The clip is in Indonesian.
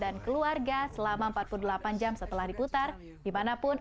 untuk memuji di play plus